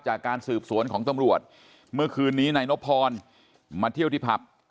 จากการสืบสวนของตำรวจเมื่อคืนนี้นายนพรมาเที่ยวที่ผับ